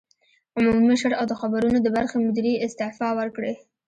عمومي مشر او د خبرونو د برخې مدیرې استعفی ورکړې